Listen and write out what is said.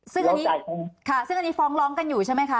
ซึ่งอันนี้ค่ะซึ่งอันนี้ฟ้องร้องกันอยู่ใช่ไหมคะ